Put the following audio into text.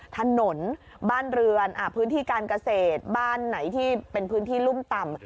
ถนนบ้านเรือนพื้นที่การเกษตรบ้านไหนที่เป็นพื้นที่รุ่มต่ำ